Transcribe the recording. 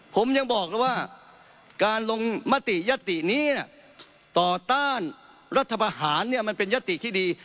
ผมยังบอกแล้วว่าการลงมติยศตินี้น่ะต่อต้านรัฐบาหารเนี่ยมันเป็นยศติที่ดี